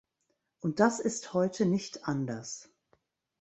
Und das ist heute nicht anders.